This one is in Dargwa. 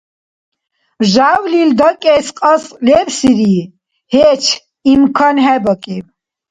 Жявлил дакӀес кьас лебсири, гьеч имкан хӀебакӀиб.